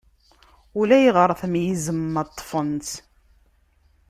Ulayɣer tmeyyzem ma ṭṭfen-tt.